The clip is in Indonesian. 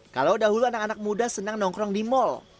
kalau dahulu anak anak muda senang nongkrong di mal